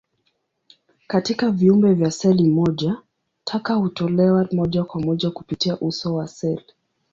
Katika viumbe vya seli moja, taka hutolewa moja kwa moja kupitia uso wa seli.